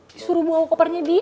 disuruh bawa kopernya dia